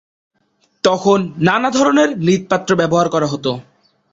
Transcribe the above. তখন নানা ধরনের মৃৎপাত্র ব্যবহার করা হত।